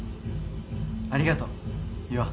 ありがとう優愛。